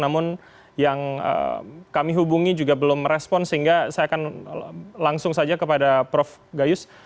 namun yang kami hubungi juga belum respon sehingga saya akan langsung saja kepada prof gayus